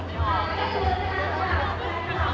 ท้องมือค่ะ